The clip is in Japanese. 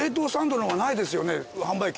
販売機。